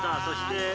そして。